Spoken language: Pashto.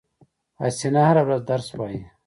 حسینه هره ورځ درس وایی